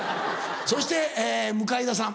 そして向田さん。